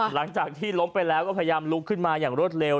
หลังจากที่ล้มไปแล้วก็พยายามลุกขึ้นมาอย่างรวดเร็ว